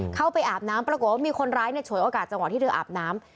อาบน้ำปรากฏว่ามีคนร้ายฉวยโอกาสจังหวะที่เธออาบน้ำ